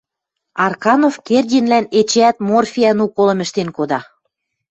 Арканов Кердинлӓн эчеӓт морфиӓн уколым ӹштен кода.